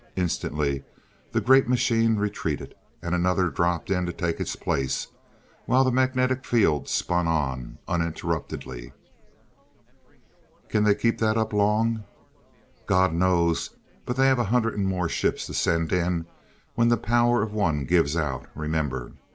Instantly the great machine retreated, and another dropped in to take its place while the magnetic field spun on, uninterruptedly. "Can they keep that up long?" "God knows but they have a hundred and more ships to send in when the power of one gives out, remember."